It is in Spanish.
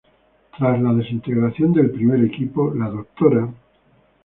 Tras la desintegración del primer equipo, la Dra.